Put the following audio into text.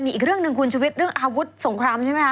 อีกเรื่องหนึ่งคุณชุวิตเรื่องอาวุธสงครามใช่ไหมคะ